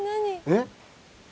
えっ。